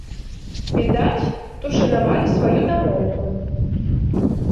Відаць, тут шанавалі сваю дамоўку.